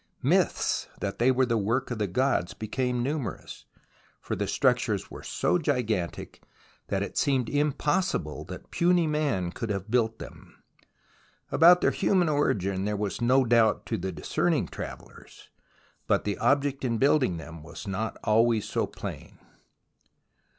Myths that they were the work of the gods became numerous, for the structures were so gigantic that it seemed impossible that puny man could have built them. About their human origin there was no doubt to discerning travellers, but the object in building them was not always so plain.